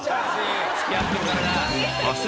付き合ってるからだ。